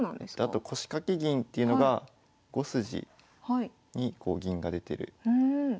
あと腰掛け銀っていうのが５筋にこう銀が出てる形ですね。